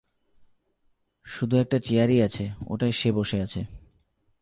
শুধু একটা চেয়ার-ই আছে, ওটায় সে বসে আছে।